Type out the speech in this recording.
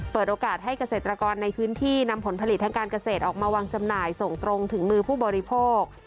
เปิดโอกาสให้เกษตรกรในพื้นที่นำผลผลิตทางการเกษตรออกมาวางจำหน่ายส่งตรงถึงมือผู้บริโภค